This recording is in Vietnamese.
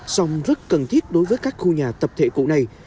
song rất cần thiết đối với các khu nhà tập thể cũ này